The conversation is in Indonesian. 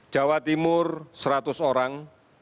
jawa timur seratus orang